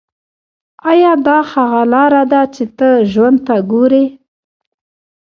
ایا دا هغه لاره ده چې ته ژوند ته ګورې